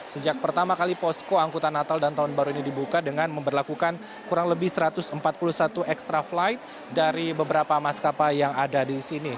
sejak pertama kali posko angkutan natal dan tahun baru ini dibuka dengan memperlakukan kurang lebih satu ratus empat puluh satu extra flight dari beberapa maskapai yang ada di sini